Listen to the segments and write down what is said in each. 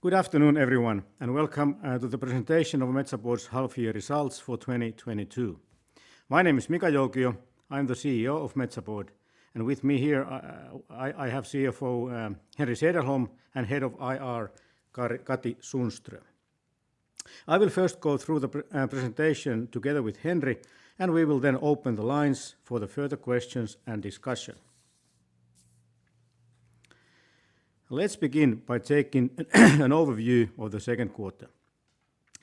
Good afternoon everyone, and welcome to the presentation of Metsä Board's half year results for 2022. My name is Mika Joukio. I'm the CEO of Metsä Board, and with me here I have CFO Henri Sederholm, and Head of IR Katri Sundström. I will first go through the presentation together with Henri, and we will then open the lines for the further questions and discussion. Let's begin by taking an overview of the second quarter.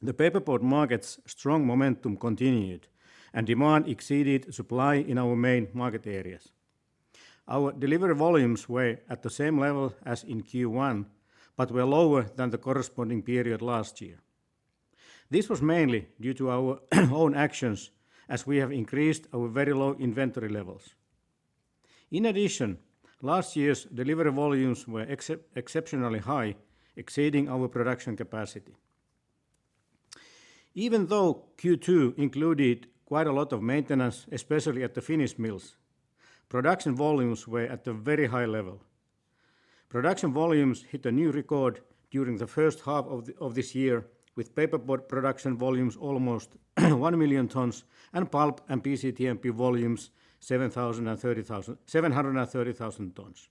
The paperboard market's strong momentum continued, and demand exceeded supply in our main market areas. Our delivery volumes were at the same level as in Q1, but were lower than the corresponding period last year. This was mainly due to our own actions, as we have increased our very low inventory levels. In addition, last year's delivery volumes were exceptionally high, exceeding our production capacity. Even though Q2 included quite a lot of maintenance, especially at the Finnish mills, production volumes were at a very high level. Production volumes hit a new record during the first half of this year with paperboard production volumes almost one million tons, and pulp and BCTMP volumes 730,000 tons.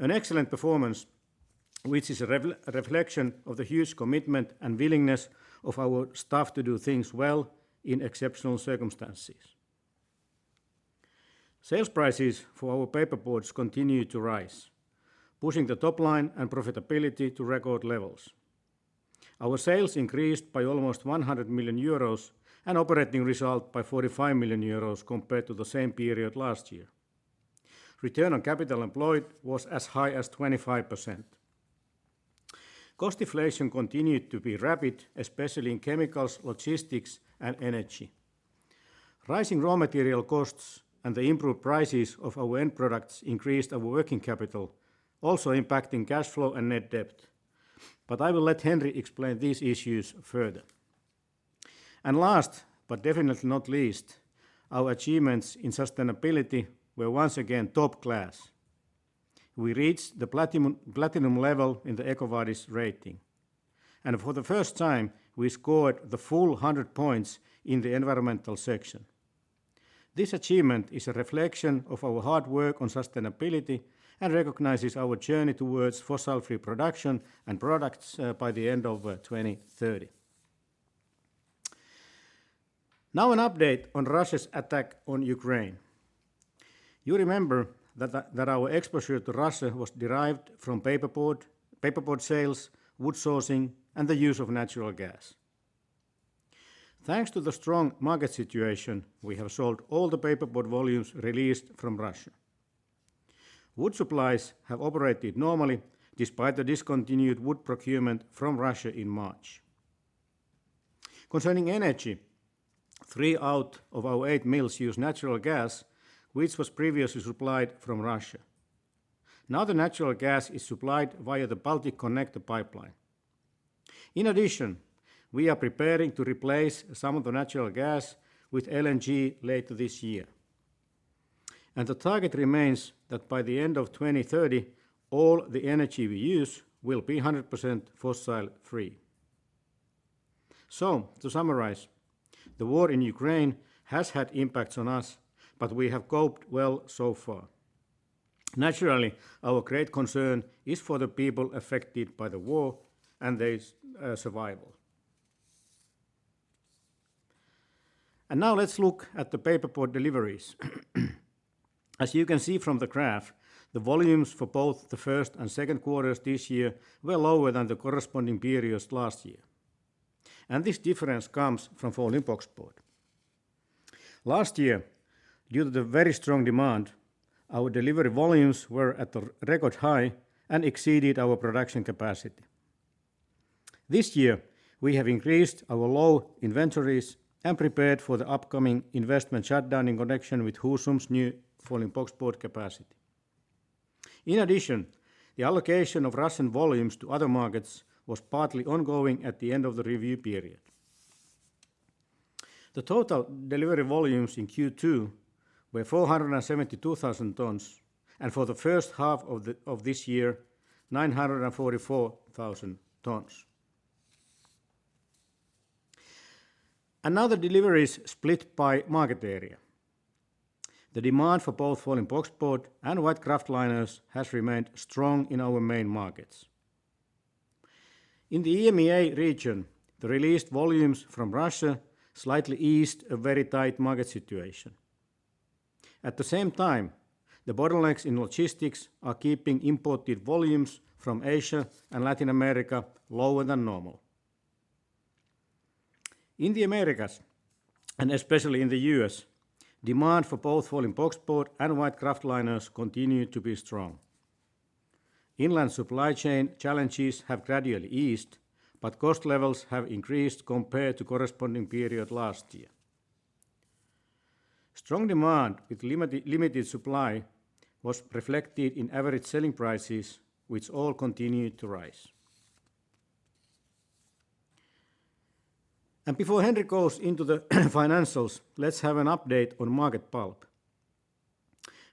An excellent performance, which is a reflection of the huge commitment and willingness of our staff to do things well in exceptional circumstances. Sales prices for our paperboards continued to rise, pushing the top line and profitability to record levels. Our sales increased by almost 100 million euros, and operating result by 45 million euros compared to the same period last year. Return on capital employed was as high as 25%. Cost deflation continued to be rapid, especially in chemicals, logistics and energy. Rising raw material costs and the improved prices of our end products increased our working capital, also impacting cash flow and net debt, but I will let Henri explain these issues further. Last, but definitely not least, our achievements in sustainability were once again top class. We reached the platinum level in the EcoVadis rating. For the first time, we scored the full 100 points in the environmental section. This achievement is a reflection of our hard work on sustainability and recognizes our journey towards fossil-free production and products by the end of 2030. Now an update on Russia's attack on Ukraine. You remember that our exposure to Russia was derived from paperboard sales, wood sourcing, and the use of natural gas. Thanks to the strong market situation, we have sold all the paperboard volumes released from Russia. Wood supplies have operated normally despite the discontinued wood procurement from Russia in March. Concerning energy, three out of our eight mills use natural gas, which was previously supplied from Russia. Now the natural gas is supplied via the Balticconnector pipeline. In addition, we are preparing to replace some of the natural gas with LNG later this year. The target remains that by the end of 2030, all the energy we use will be 100% fossil-free. To summarize, the war in Ukraine has had impacts on us, but we have coped well so far. Naturally, our great concern is for the people affected by the war and their survival. Now let's look at the paperboard deliveries. As you can see from the graph, the volumes for both the first and second quarters this year were lower than the corresponding periods last year. This difference comes from folding boxboard. Last year, due to the very strong demand, our delivery volumes were at a record high and exceeded our production capacity. This year, we have increased our low inventories and prepared for the upcoming investment shutdown in connection with Husum's new folding boxboard capacity. In addition, the allocation of Russian volumes to other markets was partly ongoing at the end of the review period. The total delivery volumes in Q2 were 472,000 tons, and for the first half of this year, 944,000 tons. Now the deliveries split by market area. The demand for both folding boxboard and white kraftliners has remained strong in our main markets. In the EMEA region, the released volumes from Russia slightly eased a very tight market situation. At the same time, the bottlenecks in logistics are keeping imported volumes from Asia and Latin America lower than normal. In the Americas, and especially in the U.S., demand for both folding boxboard and white kraftliners continued to be strong. Inland supply chain challenges have gradually eased, but cost levels have increased compared to corresponding period last year. Strong demand with limited supply was reflected in average selling prices, which all continued to rise. Before Henri goes into the financials, let's have an update on market pulp.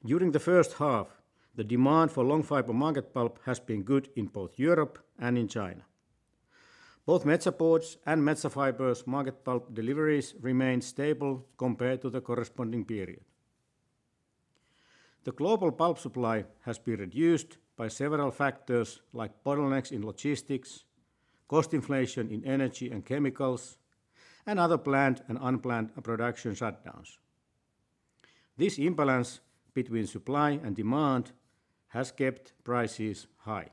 During the first half, the demand for long-fiber market pulp has been good in both Europe and in China. Both Metsä Board's and Metsä Fibre's market pulp deliveries remained stable compared to the corresponding period. The global pulp supply has been reduced by several factors like bottlenecks in logistics, cost inflation in energy and chemicals, and other planned and unplanned production shutdowns. This imbalance between supply and demand has kept prices high.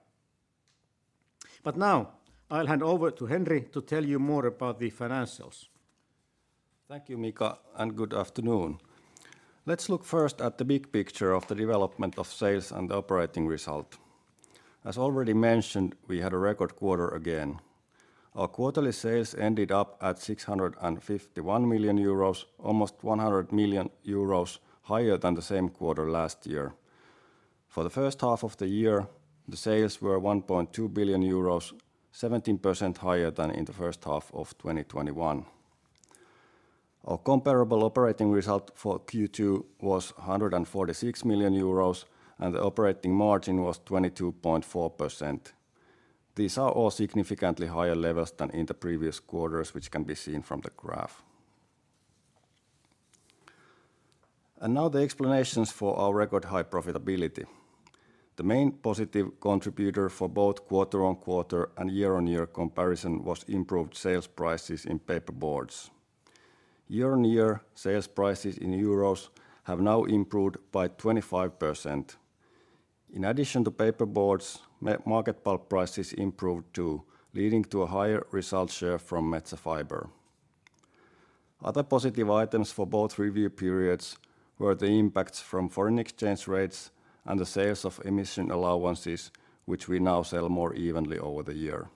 Now I'll hand over to Henri Sederholm to tell you more about the financials. Thank you, Mika, and good afternoon. Let's look first at the big picture of the development of sales and the operating result. As already mentioned, we had a record quarter again. Our quarterly sales ended up at 651 million euros, almost 100 million euros higher than the same quarter last year. For the first half of the year, the sales were 1.2 billion euros, 17% higher than in the first half of 2021. Our comparable operating result for Q2 was 146 million euros, and the operating margin was 22.4%. These are all significantly higher levels than in the previous quarters, which can be seen from the graph. Now the explanations for our record high profitability. The main positive contributor for both quarter-on-quarter and year-on-year comparison was improved sales prices in paperboards. Year-on-year sales prices in euros have now improved by 25%. In addition to paperboards, Metsä market pulp prices improved too, leading to a higher result share from Metsä Fibre. Other positive items for both review periods were the impacts from foreign exchange rates and the sales of emission allowances, which we now sell more evenly over the year.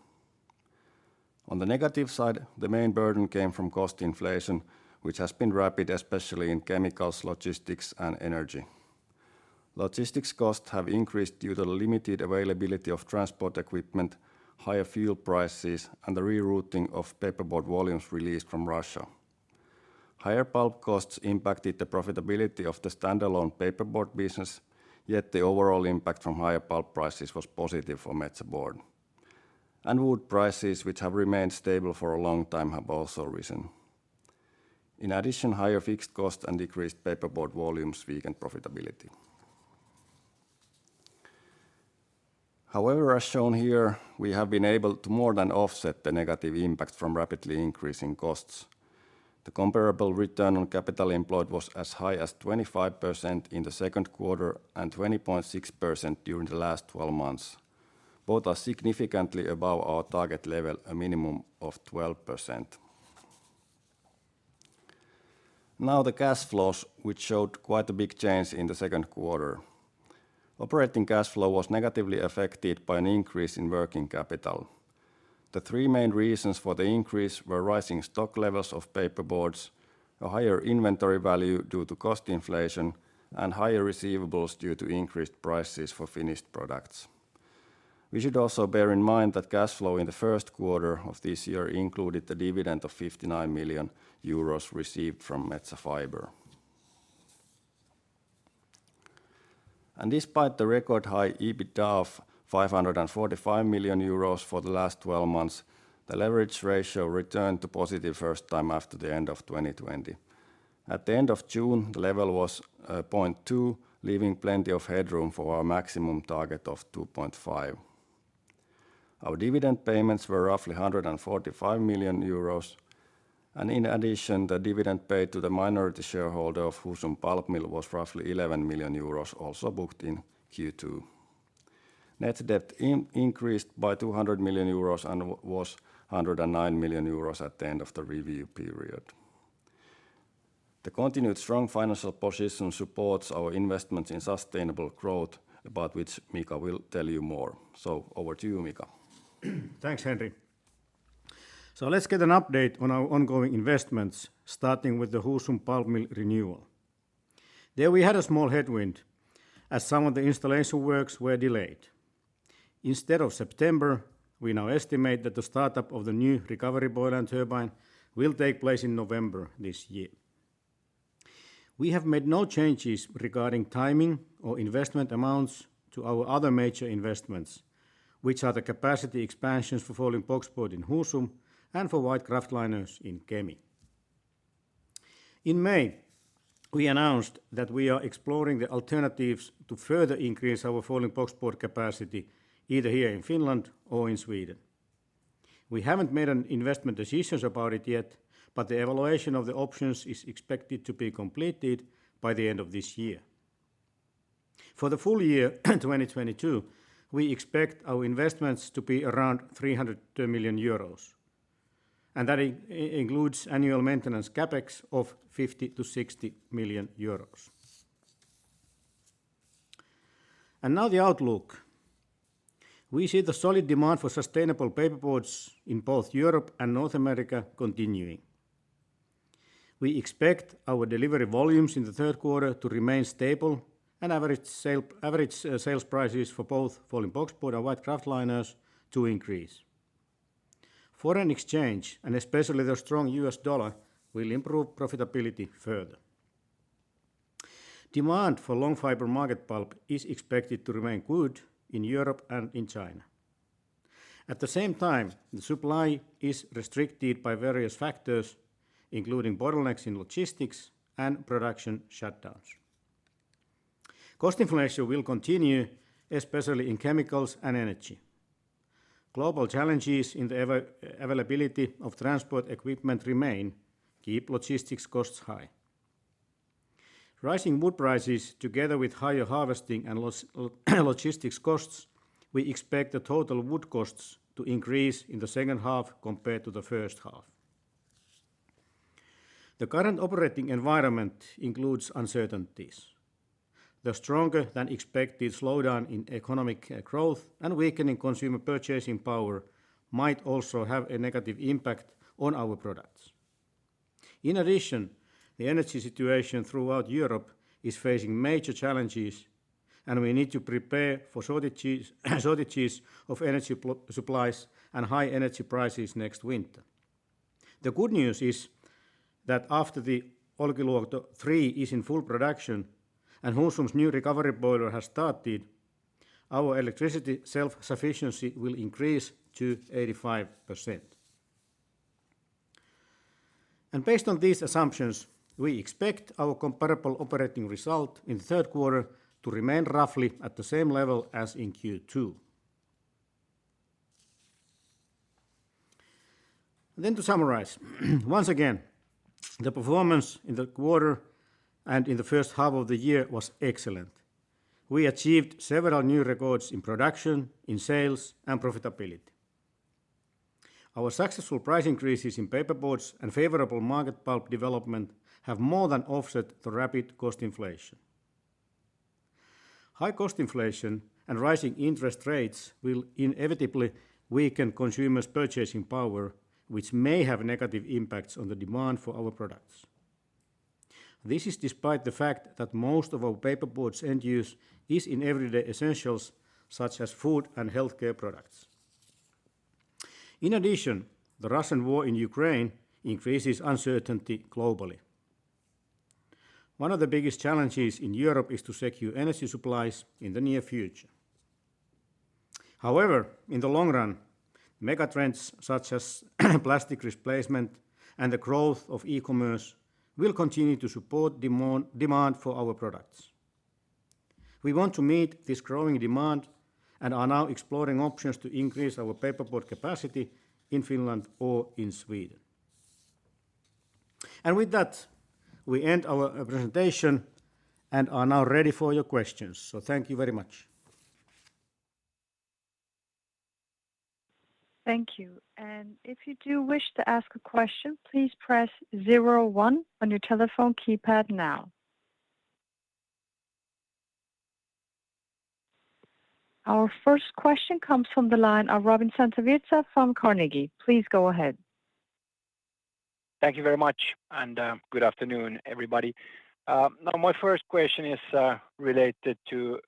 On the negative side, the main burden came from cost inflation, which has been rapid, especially in chemicals, logistics, and energy. Logistics costs have increased due to limited availability of transport equipment, higher fuel prices, and the rerouting of paperboard volumes released from Russia. Higher pulp costs impacted the profitability of the standalone paperboard business, yet the overall impact from higher pulp prices was positive for Metsä Board. Wood prices, which have remained stable for a long time, have also risen. In addition, higher fixed costs and decreased paperboard volumes weakened profitability. However, as shown here, we have been able to more than offset the negative impact from rapidly increasing costs. The comparable return on capital employed was as high as 25% in the second quarter and 20.6% during the last 12 months. Both are significantly above our target level, a minimum of 12%. Now, the cash flows, which showed quite a big change in the second quarter. Operating cash flow was negatively affected by an increase in working capital. The three main reasons for the increase were rising stock levels of paperboards, a higher inventory value due to cost inflation, and higher receivables due to increased prices for finished products. We should also bear in mind that cash flow in the first quarter of this year included the dividend of 59 million euros received from Metsä Fibre. Despite the record-high EBITDA of 545 million euros for the last 12 months, the leverage ratio returned to positive first time after the end of 2020. At the end of June, the level was 0.2, leaving plenty of headroom for our maximum target of 2.5. Our dividend payments were roughly 145 million euros, and in addition, the dividend paid to the minority shareholder of Husum board and pulp mill was roughly 11 million euros also booked in Q2. Net debt increased by 200 million euros and was 109 million euros at the end of the review period. The continued strong financial position supports our investment in sustainable growth, about which Mika will tell you more. Over to you, Mika. Thanks, Henri. Let's get an update on our ongoing investments, starting with the Husum board and pulp mill renewal. There we had a small headwind, as some of the installation works were delayed. Instead of September, we now estimate that the startup of the new recovery boiler and turbine will take place in November this year. We have made no changes regarding timing or investment amounts to our other major investments, which are the capacity expansions for folding boxboard in Husum and for white kraftliners in Kemi. In May, we announced that we are exploring the alternatives to further increase our folding boxboard capacity either here in Finland or in Sweden. We haven't made an investment decision about it yet, but the evaluation of the options is expected to be completed by the end of this year. For the full year 2022, we expect our investments to be around 300 million euros, and that includes annual maintenance CapEx of 50 million-60 million euros. Now the outlook. We see the solid demand for sustainable paperboards in both Europe and North America continuing. We expect our delivery volumes in the third quarter to remain stable and average sales prices for both folding boxboard and white kraftliners to increase. Foreign exchange, and especially the strong U.S. dollar, will improve profitability further. Demand for long-fiber market pulp is expected to remain good in Europe and in China. At the same time, the supply is restricted by various factors, including bottlenecks in logistics and production shutdowns. Cost inflation will continue, especially in chemicals and energy. Global challenges in the availability of transport equipment remain, keep logistics costs high. Rising wood prices, together with higher harvesting and logistics costs, we expect the total wood costs to increase in the second half compared to the first half. The current operating environment includes uncertainties. The stronger than expected slowdown in economic growth and weakening consumer purchasing power might also have a negative impact on our products. In addition, the energy situation throughout Europe is facing major challenges, and we need to prepare for shortages of energy supplies and high energy prices next winter. The good news is that after the Olkiluoto 3 is in full production and Husum's new recovery boiler has started, our electricity self-sufficiency will increase to 85%. Based on these assumptions, we expect our comparable operating result in the third quarter to remain roughly at the same level as in Q2. To summarize. Once again, the performance in the quarter and in the first half of the year was excellent. We achieved several new records in production, in sales, and profitability. Our successful price increases in paperboards and favorable market pulp development have more than offset the rapid cost inflation. High cost inflation and rising interest rates will inevitably weaken consumers' purchasing power, which may have negative impacts on the demand for our products. This is despite the fact that most of our paperboards' end use is in everyday essentials such as food and healthcare products. In addition, the Russian war in Ukraine increases uncertainty globally. One of the biggest challenges in Europe is to secure energy supplies in the near future. However, in the long run, mega trends such as plastic replacement and the growth of e-commerce will continue to support demand for our products. We want to meet this growing demand and are now exploring options to increase our paperboard capacity in Finland or in Sweden. With that, we end our presentation and are now ready for your questions. Thank you very much. Thank you. If you do wish to ask a question, please press zero one on your telephone keypad now. Our first question comes from the line of Robin Santavirta from Carnegie. Please go ahead. Thank you very much, and good afternoon, everybody. Now my first question is related to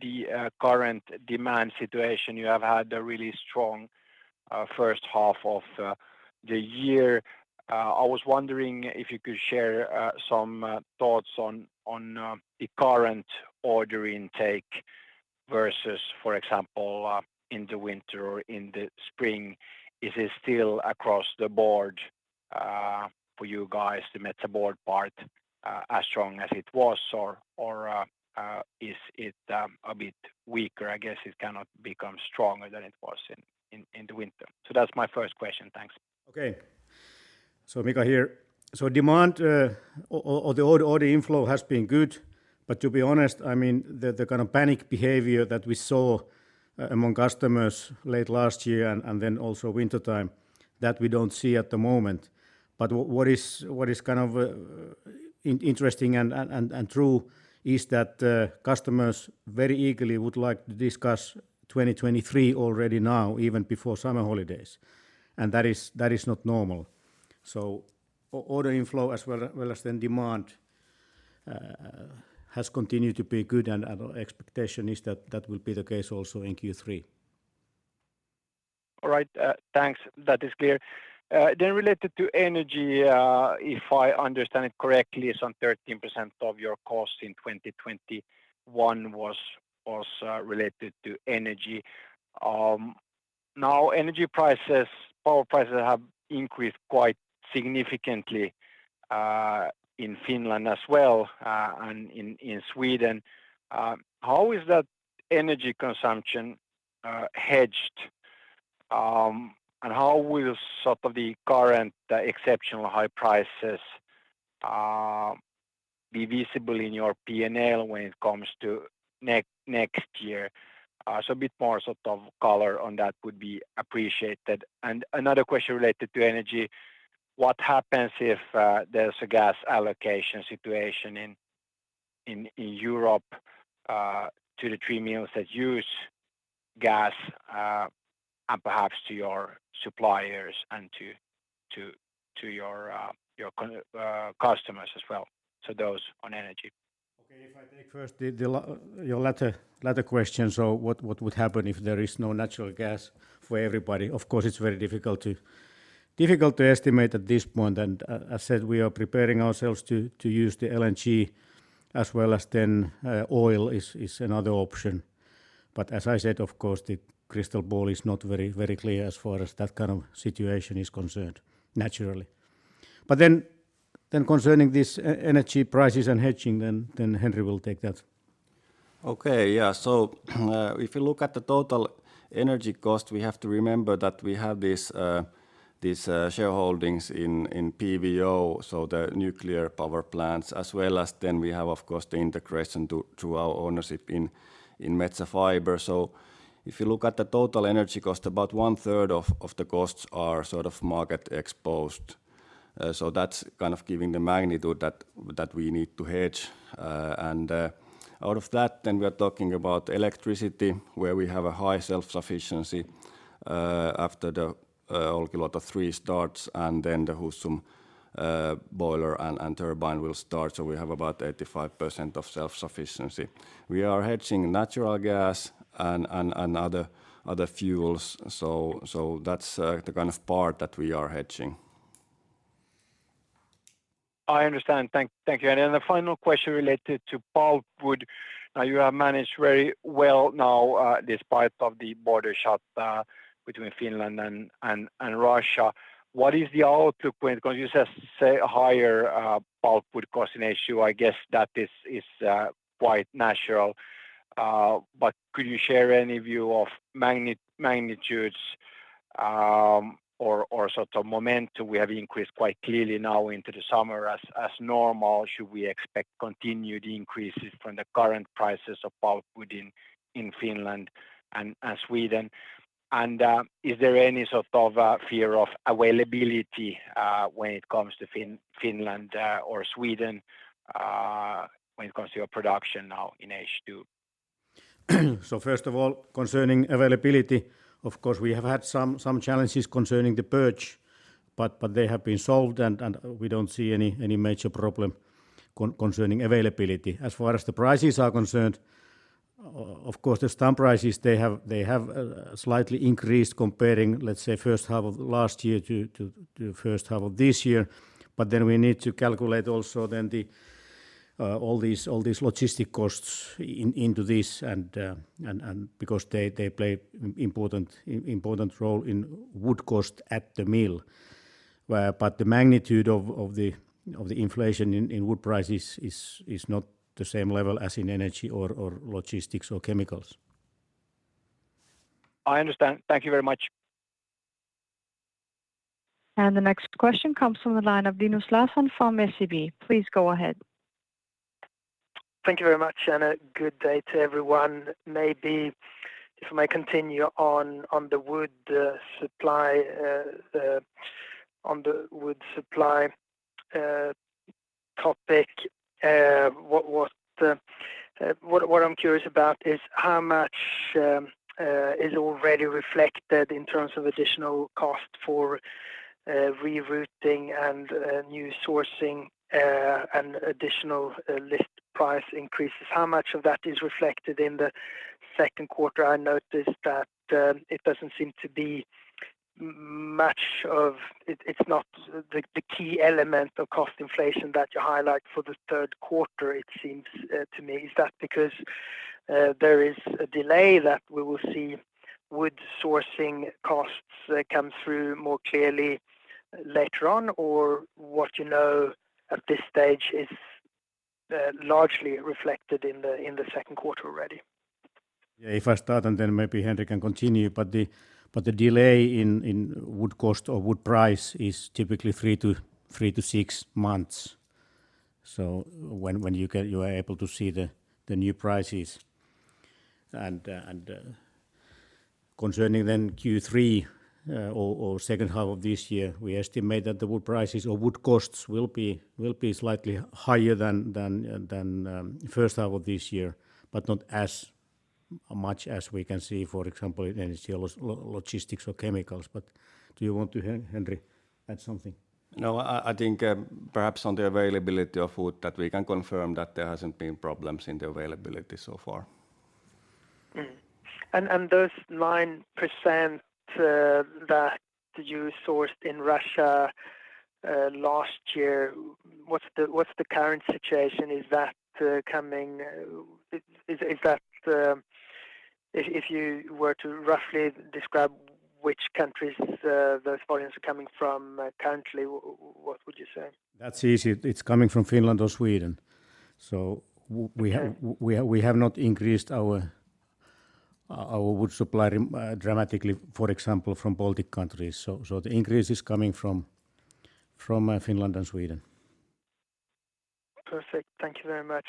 the current demand situation. You have had a really strong first half of the year. I was wondering if you could share some thoughts on the current order intake versus, for example, in the winter or in the spring. Is it still across the board for you guys, the Metsä Board part, as strong as it was, or is it a bit weaker? I guess it cannot become stronger than it was in the winter. That's my first question. Thanks. Okay. Mika here. Demand or the order inflow has been good, but to be honest, I mean, the kind of panic behavior that we saw among customers late last year and then also wintertime, that we don't see at the moment. What is kind of interesting and true is that customers very eagerly would like to discuss 2023 already now even before summer holidays, and that is not normal. Order inflow as well as demand has continued to be good, and our expectation is that that will be the case also in Q3. All right. Thanks. That is clear. Then related to energy, if I understand it correctly, some 13% of your costs in 2021 was also related to energy. Now energy prices, power prices have increased quite significantly in Finland as well, and in Sweden. How is that energy consumption hedged? And how will sort of the current exceptional high prices be visible in your P&L when it comes to next year? So a bit more sort of color on that would be appreciated. Another question related to energy. What happens if there's a gas allocation situation in Europe to the three mills that use gas, and perhaps to your suppliers and to your customers as well. So those on energy. Okay. If I take first your latter question, so what would happen if there is no natural gas for everybody? Of course, it's very difficult to estimate at this point, and as said, we are preparing ourselves to use the LNG as well as then oil is another option. But as I said, of course, the crystal ball is not very clear as far as that kind of situation is concerned, naturally. Concerning this energy prices and hedging, Henri will take that. Okay. Yeah. If you look at the total energy cost, we have to remember that we have this shareholdings in PVO, so the nuclear power plants as well as then we have of course the integration to, through our ownership in Metsä Fibre. If you look at the total energy cost, about 1/3 of the costs are sort of market exposed. That's kind of giving the magnitude that we need to hedge. Out of that then we are talking about electricity where we have a high self-sufficiency after the Olkiluoto 3 starts and then the Husum boiler and turbine will start. We have about 85% self-sufficiency. We are hedging natural gas and other fuels. That's the kind of part that we are hedging. I understand. Thank you. The final question related to pulpwood. Now you have managed very well, despite the border shutdown between Finland and Russia. What is the outlook? Because you said higher pulpwood cost in H2. I guess that is quite natural. But could you share any view of magnitudes or sort of momentum we have increased quite clearly now into the summer as normal? Should we expect continued increases from the current prices of pulpwood in Finland and Sweden? Is there any sort of fear of availability when it comes to Finland or Sweden when it comes to your production now in H2? First of all, concerning availability, of course, we have had some challenges concerning the birch, but they have been solved and we don't see any major problem concerning availability. As far as the prices are concerned, of course, the stump prices they have slightly increased comparing, let's say, first half of last year to first half of this year. We need to calculate also then all these logistics costs into this and because they play important role in wood cost at the mill. The magnitude of the inflation in wood prices is not the same level as in energy or logistics or chemicals. I understand. Thank you very much. The next question comes from the line of Linus Larsson from SEB. Please go ahead. Thank you very much, and a good day to everyone. Maybe if I may continue on the wood supply topic, what I'm curious about is how much is already reflected in terms of additional cost for rerouting and new sourcing and additional list price increases? How much of that is reflected in the second quarter? I noticed that it doesn't seem to be much of it. It's not the key element of cost inflation that you highlight for the third quarter, it seems to me. Is that because there is a delay that we will see wood sourcing costs come through more clearly later on? Or what, you know, at this stage is largely reflected in the second quarter already? Yeah. If I start, and then maybe Henri can continue. The delay in wood cost or wood price is typically three to six months. When you get you are able to see the new prices. Concerning then Q3 or second half of this year, we estimate that the wood prices or wood costs will be slightly higher than first half of this year, but not as much as we can see, for example, in energy or logistics or chemicals. Do you want to, Henri, add something? No, I think, perhaps on the availability of wood that we can confirm that there hasn't been problems in the availability so far. Those 9% that you sourced in Russia last year, what's the current situation? Is that coming? Is that, if you were to roughly describe which countries those volumes are coming from currently, what would you say? That's easy. It's coming from Finland or Sweden. Okay. We have not increased our wood supply dramatically, for example, from Baltic countries. The increase is coming from Finland and Sweden. Perfect. Thank you very much.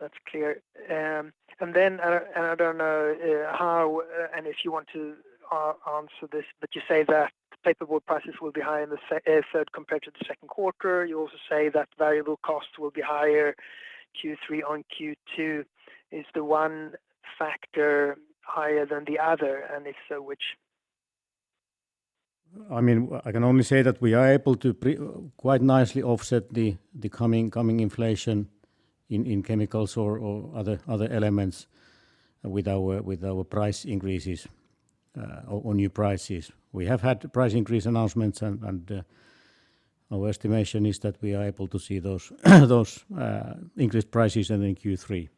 That's clear. I don't know if you want to answer this, but you say that paperboard prices will be higher in the third compared to the second quarter. You also say that variable costs will be higher Q3 on Q2, is the one factor higher than the other? If so, which? I mean, I can only say that we are able to quite nicely offset the coming inflation in chemicals or other elements with our price increases or new prices. We have had price increase announcements and our estimation is that we are able to see those increased prices then in Q3.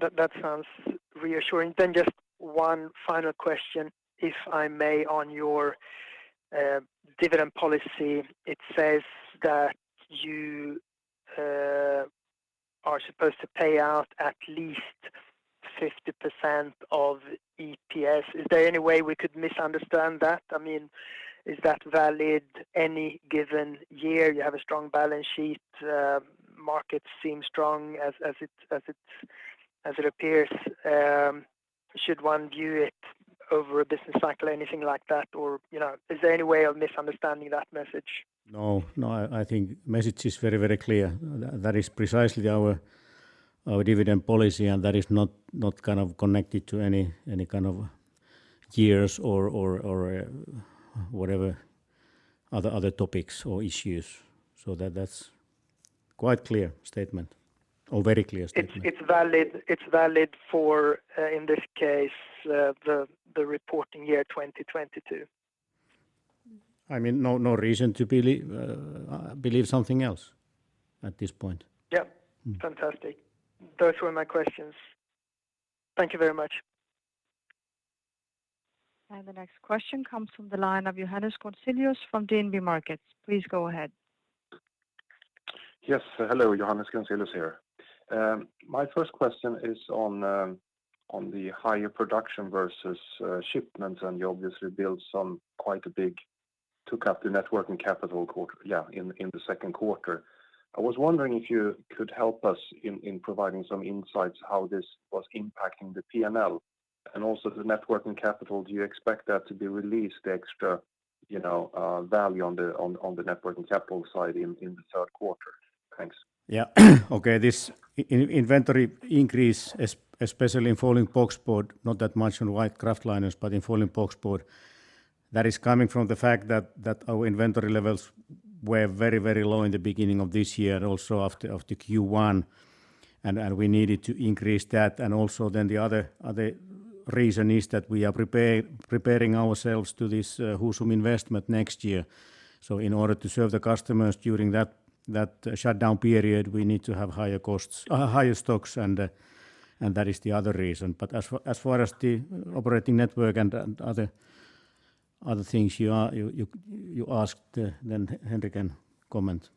That sounds reassuring. Just one final question, if I may, on your dividend policy. It says that you are supposed to pay out at least 50% of EPS. Is there any way we could misunderstand that? I mean, is that valid any given year? You have a strong balance sheet, markets seem strong as it appears. Should one view it over a business cycle, anything like that? Or, you know, is there any way of misunderstanding that message? No, I think message is very clear. That is precisely our dividend policy, and that is not kind of connected to any kind of years or whatever other topics or issues. That's quite clear statement or very clear statement. It's valid for, in this case, the reporting year 2022? I mean, no reason to believe something else at this point. Yeah. Fantastic. Those were my questions. Thank you very much. The next question comes from the line of Johannes Grunselius from DNB Markets. Please go ahead. Yes. Hello, Johannes Grunselius here. My first question is on the higher production versus shipments, and you obviously took up the Net Working Capital in the second quarter. I was wondering if you could help us in providing some insights how this was impacting the P&L and also the Net Working Capital. Do you expect that to release extra value on the Net Working Capital side in the third quarter? Thanks. Yeah. Okay. This inventory increase especially in folding boxboard, not that much in white kraftliners, but in folding boxboard, that is coming from the fact that our inventory levels were very low in the beginning of this year, also after the Q1, and we needed to increase that. Also then the other reason is that we are preparing ourselves to this Husum investment next year. In order to serve the customers during that shutdown period, we need to have higher stocks, and that is the other reason. As far as the operating network and other things you asked, then Henri can comment.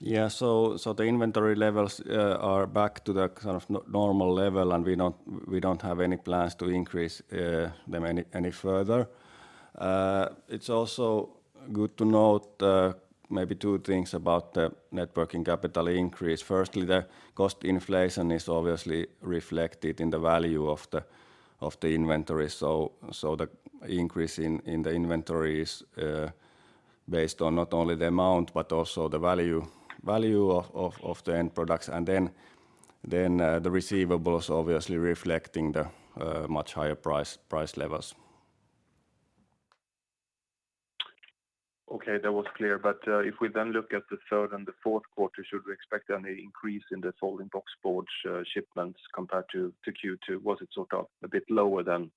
Yeah. The inventory levels are back to the kind of normal level, and we don't have any plans to increase them any further. It's also good to note maybe two things about the Net Working Capital increase. Firstly, the cost inflation is obviously reflected in the value of the inventory. The increase in the inventory is based on not only the amount but also the value of the end products. Then the receivables obviously reflecting the much higher price levels. Okay, that was clear. If we then look at the third and the fourth quarter, should we expect any increase in the folding boxboard shipments compared to Q2? Was it sort of a bit lower than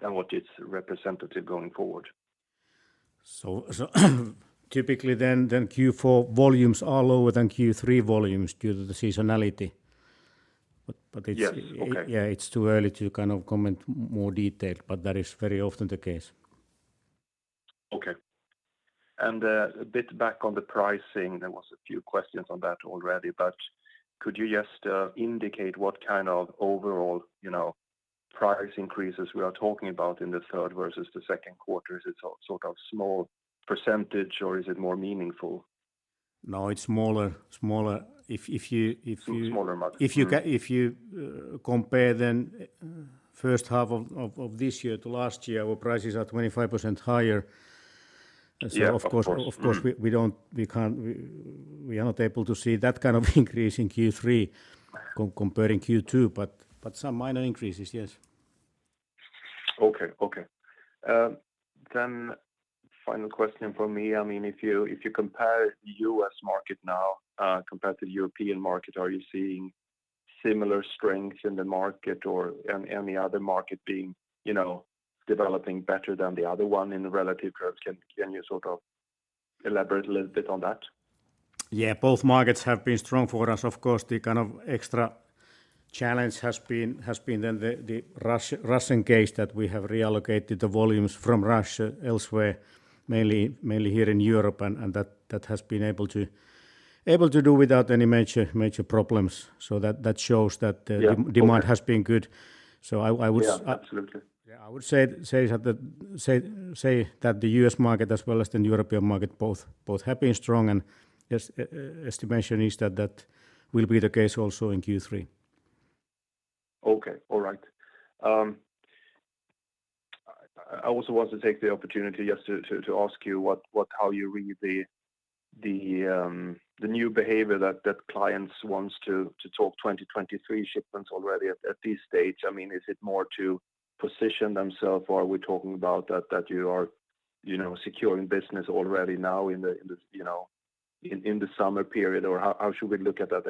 what it's representative going forward? Typically then Q4 volumes are lower than Q3 volumes due to the seasonality. Yes. Okay. Yeah, it's too early to kind of comment more detail, but that is very often the case. Okay. A bit back on the pricing, there was a few questions on that already, but could you just indicate what kind of overall, you know, price increases we are talking about in the third versus the second quarter? Is it sort of small percentage or is it more meaningful? No, it's smaller. Smaller margin. If you compare to the first half of this year to last year, our prices are 25% higher. Yeah. Of course. Of course, we are not able to see that kind of increase in Q3 comparing Q2, but some minor increases, yes. Okay. Final question for me. I mean, if you compare the U.S. market now, compared to the European market, are you seeing similar strengths in the market or any other market being, you know, developing better than the other one in the relative growth? Can you sort of elaborate a little bit on that? Yeah. Both markets have been strong for us. Of course, the kind of extra challenge has been then the Russian case that we have reallocated the volumes from Russia elsewhere, mainly here in Europe, and that has been able to do without any major problems. That shows that the demand. Yeah. Okay Has been good. Yeah. Absolutely. Yeah, I would say that the U.S. market as well as the European market both have been strong and yes, estimation is that will be the case also in Q3. Okay. All right. I also want to take the opportunity just to ask you how you read the new behavior that clients wants to talk 2023 shipments already at this stage. I mean, is it more to position themselves, or are we talking about that you are you know securing business already now in the you know in the summer period? Or how should we look at that?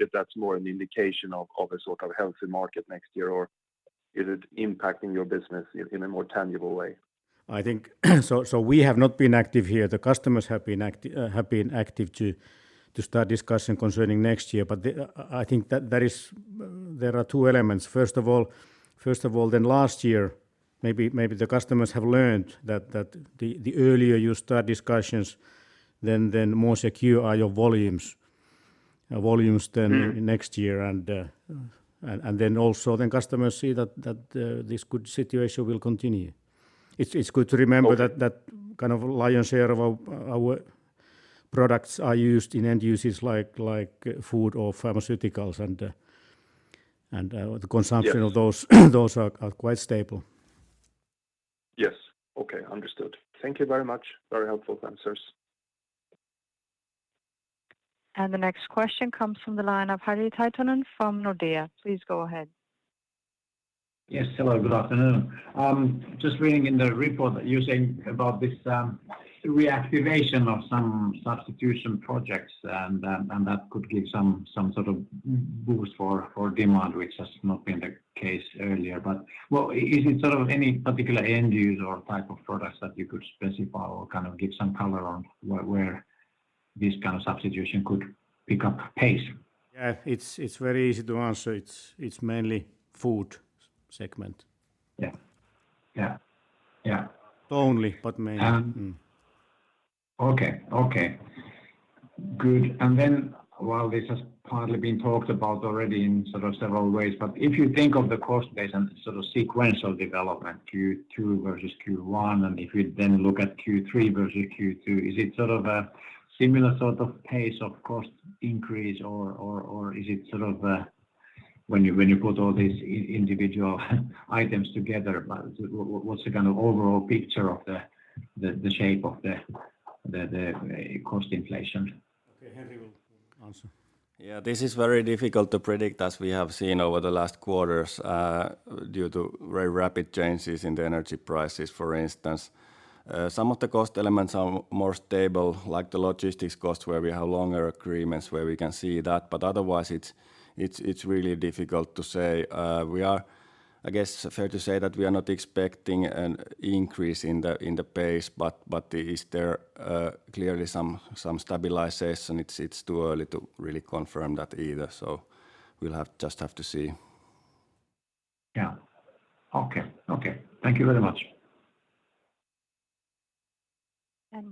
If that's more an indication of a sort of healthy market next year, or is it impacting your business in a more tangible way? I think so, we have not been active here. The customers have been active to start discussion concerning next year. I think that is. There are two elements. First of all, then last year, maybe the customers have learned that the earlier you start discussions then more secure are your volumes than next year. Also customers see that this good situation will continue. It's good to remember. Okay That kind of lion's share of our products are used in end uses like food or pharmaceuticals and Yes The consumption of those are quite stable. Yes. Okay. Understood. Thank you very much. Very helpful answers. The next question comes from the line of Harri Taittonen from Nordea. Please go ahead. Yes. Hello. Good afternoon. Just reading in the report that you're saying about this, reactivation of some substitution projects and that could give some sort of boost for demand, which has not been the case earlier. Well, is it sort of any particular end use or type of products that you could specify or kind of give some color on where this kind of substitution could pick up pace? Yeah. It's very easy to answer. It's mainly food segment. Yeah. Yeah. Yeah. Only, but mainly. While this has partly been talked about already in sort of several ways, but if you think of the cost base and sort of sequential development, Q2 versus Q1, and if you then look at Q3 versus Q2, is it sort of a similar sort of pace of cost increase or is it sort of when you put all these individual items together, but what's the kind of overall picture of the shape of the cost inflation? Okay. Henri will answer. Yeah. This is very difficult to predict as we have seen over the last quarters due to very rapid changes in the energy prices, for instance. Some of the cost elements are more stable, like the logistics cost, where we have longer agreements where we can see that, but otherwise it's really difficult to say. We are, I guess, fair to say that we are not expecting an increase in the pace, but is there clearly some stabilization? It's too early to really confirm that either, so we'll just have to see. Yeah. Okay. Thank you very much.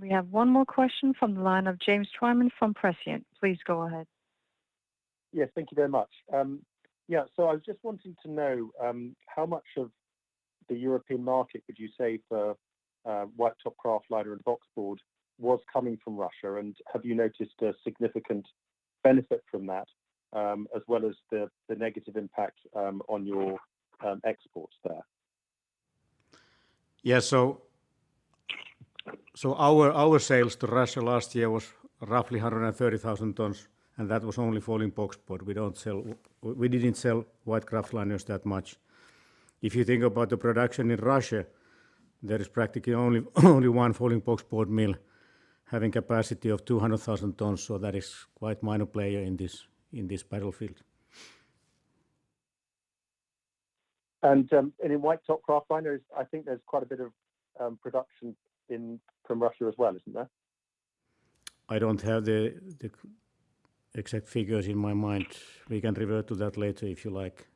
We have one more question from the line of James Twyman from Prescient. Please go ahead. Yes. Thank you very much. Yeah. I was just wanting to know how much of the European market would you say for white top kraftliner and boxboard was coming from Russia, and have you noticed a significant benefit from that, as well as the negative impact on your exports there? Yeah. Our sales to Russia last year was roughly 130,000 tons, and that was only folding boxboard. We didn't sell white kraftliners that much. If you think about the production in Russia, there is practically only one folding boxboard mill having capacity of 200,000 tons. That is quite minor player in this battlefield. In white top kraftliner, I think there's quite a bit of production in from Russia as well, isn't there? I don't have the exact figures in my mind. We can revert to that later if you like.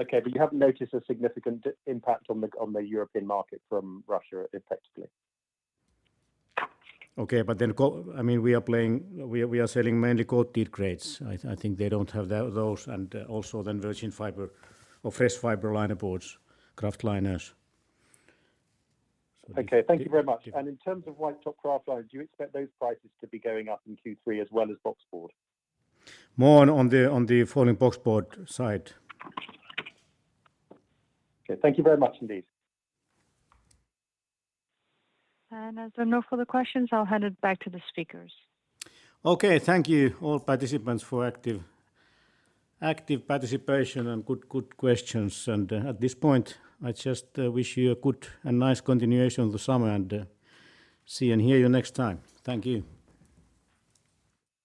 Okay. You haven't noticed a significant impact on the European market from Russia effectively? I mean, we are selling mainly coated grades. I think they don't have those and also the virgin fiber or fresh fiber linerboards, kraftliners. Okay. Thank you very much. Thank you. In terms of white top kraftliner, do you expect those prices to be going up in Q3 as well as boxboard? More on the folding boxboard side. Okay. Thank you very much indeed. As there are no further questions, I'll hand it back to the speakers. Okay. Thank you all participants for active participation and good questions. At this point, I just wish you a good and nice continuation of the summer and see and hear you next time. Thank you.